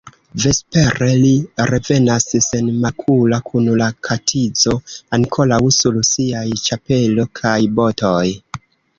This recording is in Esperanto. Vespere li revenas senmakula kun la katizo ankoraŭ sur siaj ĉapelo kaj botoj.